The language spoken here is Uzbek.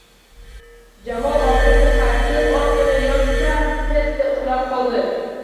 Jamol orqaga qaytib ozgina yotdi-da, tezda uxlab qoldi